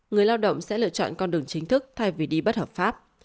người lao động sẽ lựa chọn con đường chính thức thay vì đi bất hợp pháp